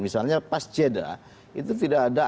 misalnya pas jeda itu tidak ada